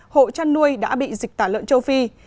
hộ chăn nuôi đã bị dịch tả lợn châu phi